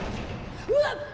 うわっと！？